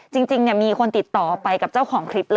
จริงมีคนติดต่อไปกับเจ้าของ